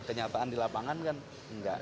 kenyataan di lapangan kan enggak